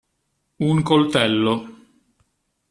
Un coltello.